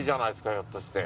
ひょっとして。